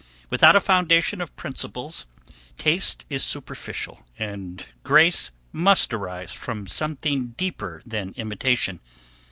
Without a foundation of principles taste is superficial; and grace must arise from something deeper than imitation.